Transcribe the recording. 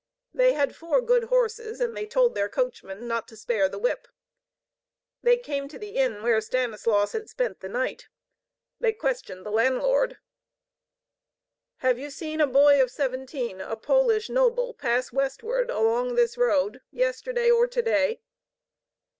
They had four good horses and they told their coachman not to spare the whip. They came to the inn where Stanislaus had spent the night. They questioned the landlord. "Have you seen a boy of seventeen, a Polish noble, pass westward along this road yesterday or today?"